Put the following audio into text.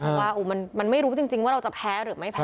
เพราะว่ามันไม่รู้จริงว่าเราจะแพ้หรือไม่แพ้